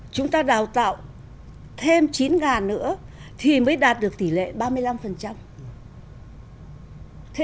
chúng ta đào tạo thêm chín nữa thì mới đạt được tỷ lệ ba mươi năm